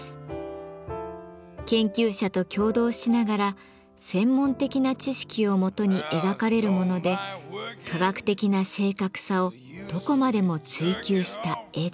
研究者と協働しながら専門的な知識をもとに描かれるもので科学的な正確さをどこまでも追求した絵です。